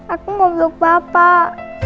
aku mau buk bapak